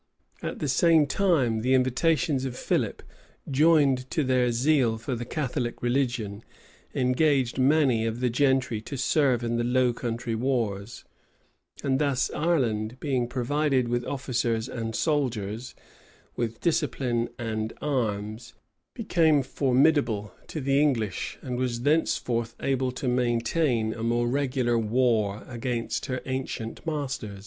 [] At the same time, the invitations of Philip, joined to their zeal for the Catholic religion, engaged many of the gentry to serve in the Low Country wars, and thus Ireland, being provided with officers and soldiers, with discipline and arms, became formidable to the English, and was thenceforth able to maintain a more regular war against her ancient masters.